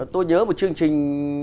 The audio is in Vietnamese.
tôi nhớ một chương trình